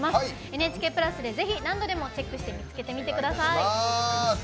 「ＮＨＫプラス」でぜひ何度でもチェックして見つけてみてください。